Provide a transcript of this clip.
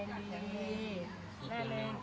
พี่ตุ๊กพี่หมูผ่าเจ้าของมา